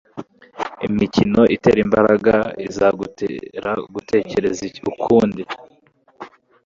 Imikino itera imbaraga izagutera gutekereza ukundi